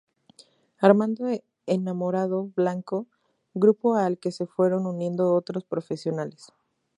Armando Enamorado Blanco, grupo al que se fueron uniendo otros profesionales.